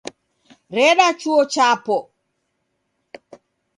Reda chuo chapo.